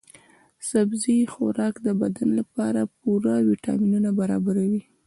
سبزي خوراک د بدن لپاره پوره ويټامینونه برابروي.